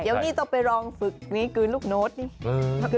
เดี๋ยวนี้ต้องไปลองฝึกนี่คือลูกโน้ตนี่